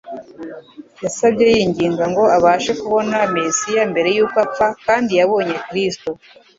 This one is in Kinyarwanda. Yasabye yinginga ngo : abashe kubona Mesiya mbere y'uko apfa, kandi yabonye Kristo.